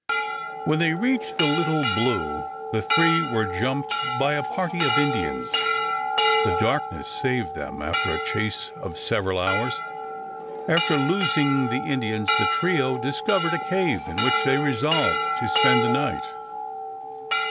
When they reached the Little Blue the three were jumped by a party of Indians. The darkness saved them, after a chase of several hours. After "losing" the Indians the trio discovered a cave in which they resolved to spend the night.